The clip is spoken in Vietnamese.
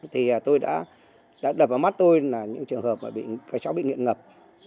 thì tôi đã đập vào mắt tôi là những trường hợp mà cái chó bị nghiện ngập